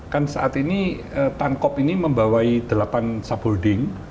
kan saat ini tankop ini membawai delapan subholding